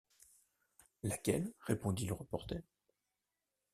Laquelle ? répondit le reporter